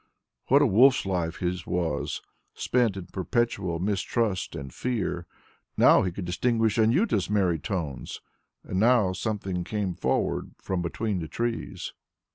What a wolf's life his was, spent in perpetual mistrust and fear! Now he could distinguish Anjuta's merry tones ... and now something came forward from between the trees.